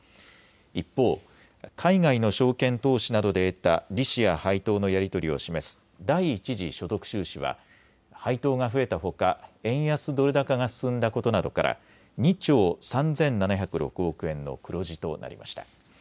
一方、海外の証券投資などで得た利子や配当のやり取りを示す第一次所得収支は配当が増えたほか円安ドル高が進んだことなどから２兆３７０６億円の黒字となりました。